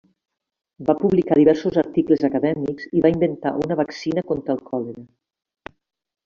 Va publicar diversos articles acadèmics i va inventar una vaccina contra el còlera.